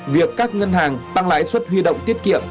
việc các ngân hàng tăng lãi suất huy động tiết kiệm